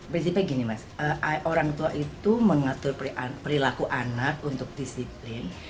prinsipnya gini mas orang tua itu mengatur perilaku anak untuk disiplin